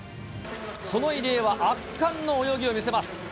その入江は圧巻の泳ぎを見せます。